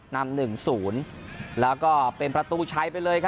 นำ๑๐แล้วก็เป็นประตูชัยไปเลยครับ